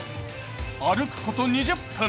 歩くこと２０分。